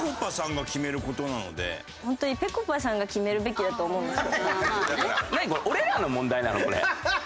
本当にぺこぱさんが決めるべきだと思うんですよ。